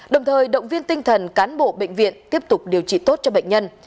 đồng thời động viên tinh thần cán bộ bệnh viện tiếp tục điều trị tốt cho bệnh nhân